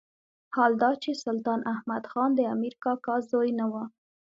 حال دا چې سلطان احمد خان د امیر کاکا زوی نه وو.